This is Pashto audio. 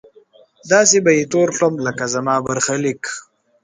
داسې به يې تور کړم لکه زما برخليک!